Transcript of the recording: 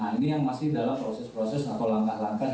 nah ini yang masih dalam proses proses atau langkah langkah